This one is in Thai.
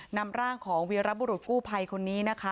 นำร่างของวีรบุรุษกู้ภัยคนนี้นะคะ